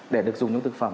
để được dùng trong thực phẩm